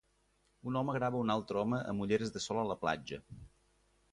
Un home grava un altre home amb ulleres de sol a la platja.